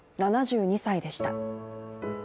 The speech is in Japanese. ７２歳でした。